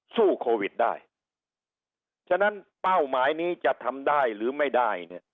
สู้โควิดได้ฉะนั้นเป้าหมายนี้จะทำได้หรือไม่ได้เนี่ย